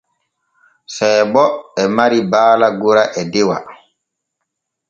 Seebo e mari baala gora e dewa.